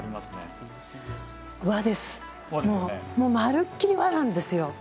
まるっきり和なんですよ。